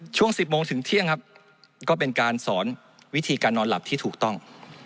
ช่วง๑๐โมงถึงเที่ยงครับก็เป็นการสอนวิธีการนอนหลับที่ถูกต้อง